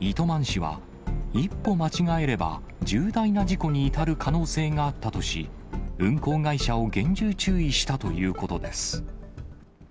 糸満市は、一歩間違えれば重大な事故に至る可能性があったとし、運行会社を厳重注意したということです。